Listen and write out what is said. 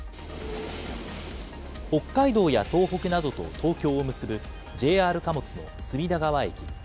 北海道や東北などと東京を結ぶＪＲ貨物の隅田川駅。